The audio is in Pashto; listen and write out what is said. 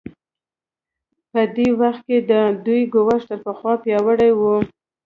په دې وخت کې د دوی ګواښ تر پخوا پیاوړی و.